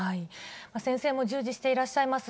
先生も従事していらっしゃいます